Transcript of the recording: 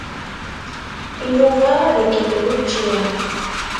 Inuba ad ikemmel učči.